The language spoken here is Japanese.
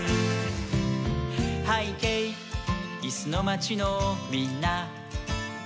「はいけいいすのまちのみんな」